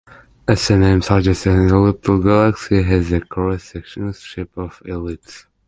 As the name suggests, an elliptical galaxy has the cross-sectional shape of an ellipse.